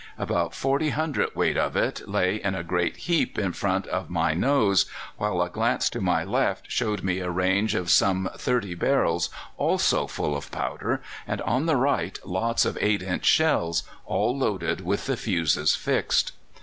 "About 40 hundredweight of it lay in a great heap in front of my nose, while a glance to my left showed me a range of some thirty barrels also full of powder, and on the right lots of 8 inch shells, all loaded, with the fuses fixed.